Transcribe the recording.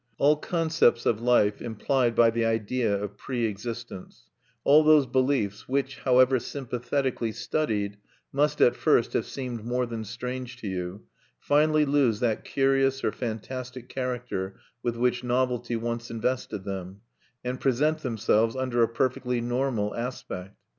All concepts of life implied by the idea of preexistence, all those beliefs which, however sympathetically studied, must at first have seemed more than strange to you, finally lose that curious or fantastic character with which novelty once invested them, and present themselves under a perfectly normal aspect.